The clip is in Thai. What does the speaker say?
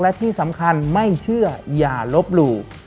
และที่สำคัญไม่เชื่ออย่าลบหลู่